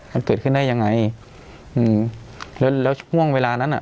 มันเกิดขึ้นได้ยังไงอืมแล้วแล้วช่วงเวลานั้นอ่ะ